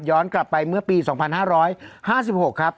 กลับไปเมื่อปี๒๕๕๖ครับ